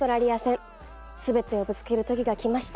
全てをぶつける時がきました。